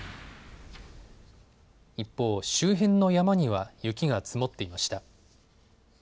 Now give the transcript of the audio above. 一方、周辺の山には雪が積もっていました。